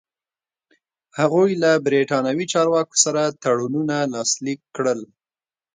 هغوی له برېټانوي چارواکو سره تړونونه لاسلیک کړل.